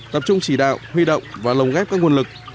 tập trung chỉ đạo huy động và lồng ghép các nguồn lực